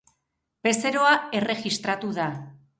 Bezeroa erregistratu da.